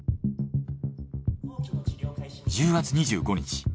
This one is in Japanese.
１０月２５日